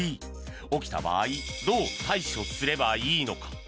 起きた場合どう対処すればいいのか。